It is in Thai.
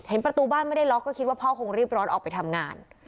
ประตูบ้านไม่ได้ล็อกก็คิดว่าพ่อคงรีบร้อนออกไปทำงาน